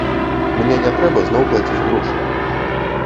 Мне не трэба зноў плаціць грошы.